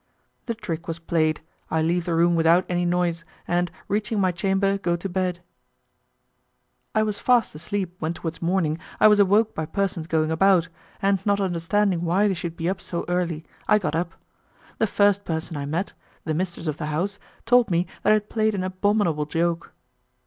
The trick was played, I leave the room without any noise, and, reaching my chamber, go to bed. I was fast asleep, when towards morning I was awoke by persons going about, and not understanding why they should be up so early, I got up. The first person I met the mistress of the house told me that I had played an abominable joke.